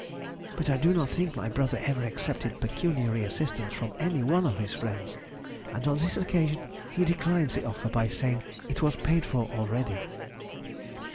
But I do not think my brother ever accepted pecuniary assistance from any one of his friends, and on this occasion he declined the offer by saying it was paid for already.